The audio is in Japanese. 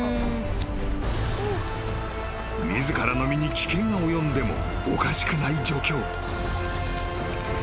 ［自らの身に危険が及んでもおかしくない状況］